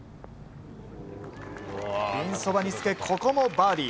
ピンそばにつけここもバーディー。